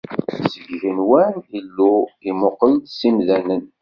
Seg yigenwan, Illu imuqqel-d s imdanen.